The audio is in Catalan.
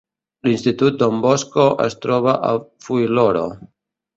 L'institut Don Bosco es troba a Fuiloro.